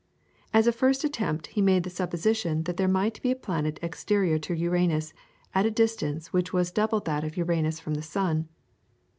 As a first attempt he made the supposition that there might be a planet exterior to Uranus, at a distance which was double that of Uranus from the sun.